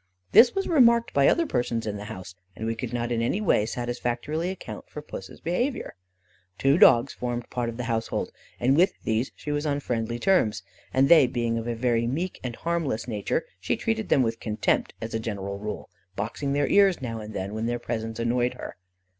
This was remarked by other persons in the house, and we could not in any way satisfactorily account for Puss's behaviour. Two dogs formed part of the household, and with these she was on friendly terms, and they being of a very meek and harmless nature, she treated them with contempt, as a general rule, boxing their ears now and then, when their presence annoyed her.